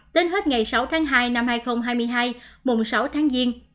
đến hết ngày sáu tháng hai năm hai nghìn hai mươi hai mùng sáu tháng giêng